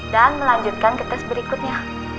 dan melanjutkan ke tes berikutnya